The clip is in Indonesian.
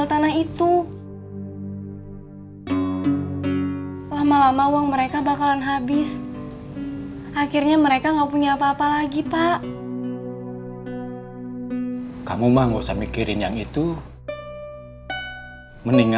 daftar sekarang juga hanya di vision plus